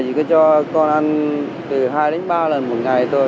chỉ có cho con ăn từ hai ba lần một ngày thôi